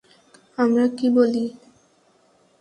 আমরা কি বলি?